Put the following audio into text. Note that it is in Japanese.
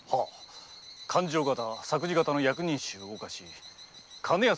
勘定方作事方の役人衆を動かしカネ安